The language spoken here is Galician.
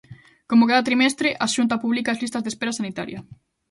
Como cada trimestre, a Xunta publica as listas de espera sanitaria.